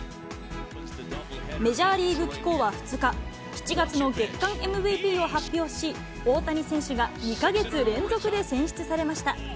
メジャーリーグ機構は２日、７月の月間ＭＶＰを発表し、大谷選手が２か月連続で選出されました。